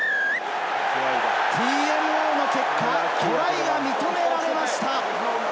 ＴＭＯの結果、トライが認められました！